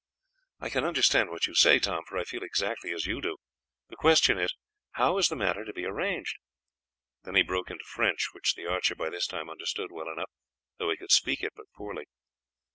"I can understand what you say, Tom, for I feel exactly as you do. The question is, how is the matter to be arranged?" Then he broke into French, which the archer by this time understood well enough, though he could speak it but poorly.